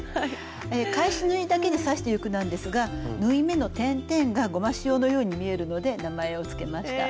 返し縫いだけで刺していくんですが縫い目の点々がゴマシオのように見えるので名前をつけました。